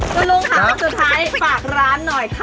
ตัวลมขาวสุดท้ายฝากร้านหน่อยค่ะ